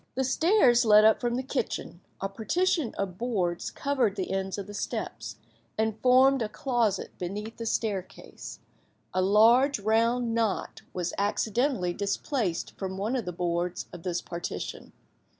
The stairs led up from the kitchen; a partition of boards covered the ends of the steps, and formed a closet beneath the staircase; a large round knot was accidentally displaced from one of the boards of this partition.